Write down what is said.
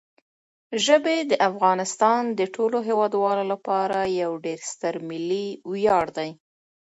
ژبې د افغانستان د ټولو هیوادوالو لپاره یو ډېر ستر ملي ویاړ دی.